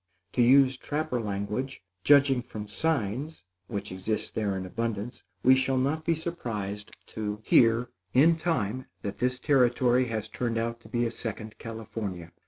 To use trapper language, judging from "signs" which exist there in abundance, we shall not be surprised to hear, in time, that this territory has turned out to be a second California.